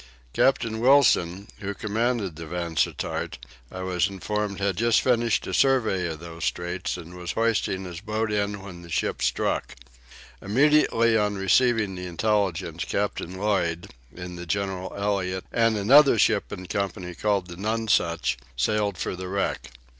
Captain Wilson, who commanded the Vansittart, I was informed had just finished a survey of those Straits and was hoisting his boat in when the ship struck. Immediately on receiving the intelligence Captain Lloyd, in the General Elliot and another ship in company called the Nonsuch, sailed for the wreck.